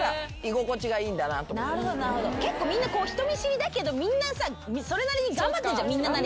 結構みんな人見知りだけどそれなりに頑張ってんじゃん。